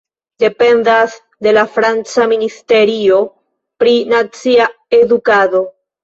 Dependas de la franca Ministerio pri Nacia Edukado.